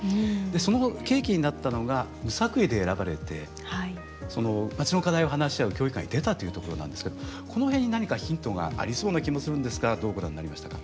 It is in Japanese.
その契機になったのが無作為で選ばれてまちの課題を話し合う協議会に出たというところなんですけどこの辺に何かヒントがありそうな気もするんですがどうご覧になりましたか？